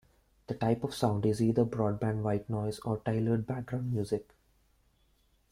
The type of sound is either broadband white noise or tailored background music.